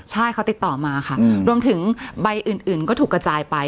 ใช่เขาติดต่อมาค่ะรวมถึงใบอื่นก็ถูกกระจายไป